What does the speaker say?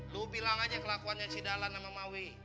lu bilang aja kelakuannya si dalam sama mawi